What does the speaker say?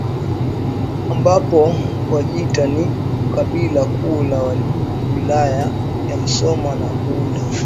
ambapo Wajita ni kabila kuu la Wilaya ya Musoma na Bunda